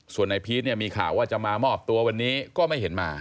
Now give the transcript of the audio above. ส่วนในพีชเนี่ยมีข่าวว่าจะมามอบตัววันนี้ก็ไม่เห็นมา